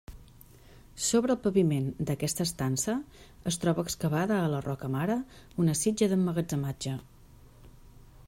Sobre el paviment d’aquesta estança es troba excavada a la roca mare una sitja d’emmagatzematge.